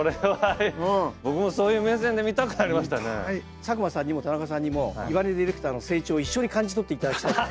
佐久間さんにも田中さんにも岩根ディレクターの成長を一緒に感じ取って頂きたいです。